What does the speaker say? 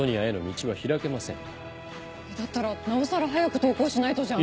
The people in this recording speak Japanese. だったらなおさら早く投稿しないとじゃん。